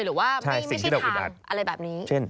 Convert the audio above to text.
หรือว่าไม่ใช่ทางอะไรแบบนี้ใช่สิ่งที่เราอุดอัด